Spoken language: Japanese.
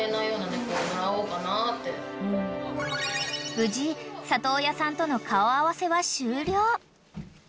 ［無事里親さんとの顔合わせは終了］